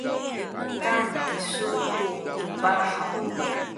mukan kisu tu tubah haw?